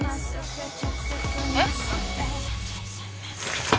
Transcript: ☎えっ？